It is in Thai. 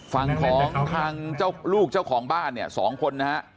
ฝั่งของทางเจ้าลูกเจ้าของบ้านเนี่ย๒คนนะฮะ